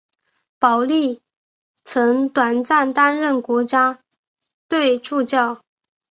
保历曾短暂担任国家队助教。